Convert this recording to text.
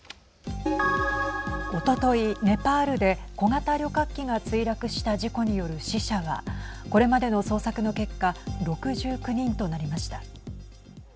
おとといネパールで小型旅客機が墜落した事故による死者はこれまでの捜索の結果６９人となりました。